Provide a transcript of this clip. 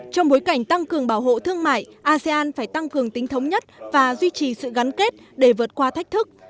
trong bối cảnh tăng cường bảo hộ thương mại asean phải tăng cường tính thống nhất và duy trì sự gắn kết để vượt qua thách thức